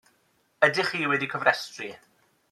Ydych chi wedi cofrestru?